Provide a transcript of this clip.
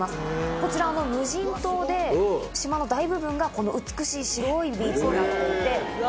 こちら無人島で島の大部分がこの美しい白いビーチになっていて。